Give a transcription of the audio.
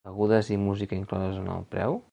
Begudes i música incloses en el preu?